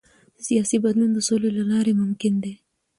سیاسي بدلون د سولې له لارې ممکن دی